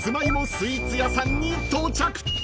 スイーツ屋さんに到着］